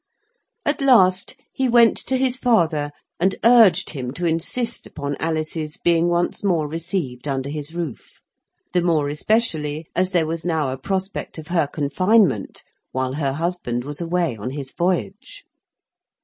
At last he went to his father and urged him to insist upon Alice's being once more received under his roof; the more especially as there was now a prospect of her confinement while her husband was away on his voyage.